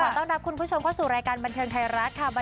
ต้องรับคุณผู้ชมเข้าสู่รายการบันเทิงไทยรัฐค่ะ